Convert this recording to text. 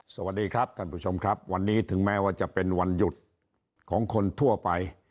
สวัสดีครับท่านผู้ชมครับวันนี้ถึงแม้ว่าจะเป็นวันหยุดของคนทั่วไป